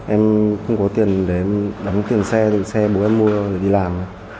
em không có tiền để em đóng tiền xe xe bố em mua để đi làm